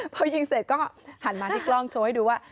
พอยิงเสร็จก็หันมาที่กล้องโชว์ให้ดูว่า